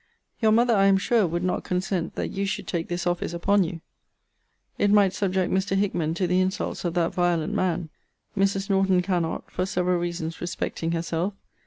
Your mother, I am sure, would not consent that you should take this office upon you. It might subject Mr. Hickman to the insults of that violent man. Mrs. Norton cannot, for several reasons respecting herself.